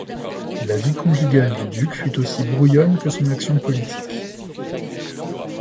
La vie conjugale du duc fut aussi brouillonne que son action politique.